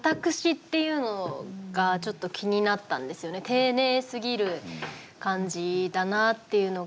丁寧すぎる感じだなっていうのが。